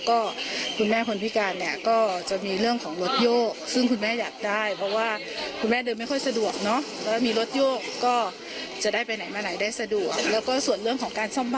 คุณแม่ก็จะได้มีที่อยู่อาศัยที่ดีขึ้น